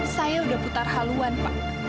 saya udah putar haluan pak